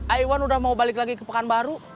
aiwan udah mau balik lagi ke pekanbaru